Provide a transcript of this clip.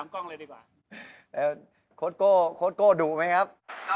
โค้ชโก้ดุไหมครับ